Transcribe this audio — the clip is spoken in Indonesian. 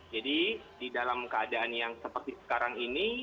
jadi di dalam keadaan yang seperti sekarang ini